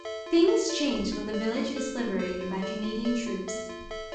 Things change when the village is liberated by Canadian troops.